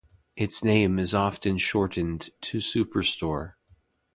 Its name is often shortened to Superstore.